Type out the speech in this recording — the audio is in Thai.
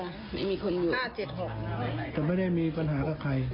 ไม่มีภารกิจแต่ไม่มีปัญหากับใคร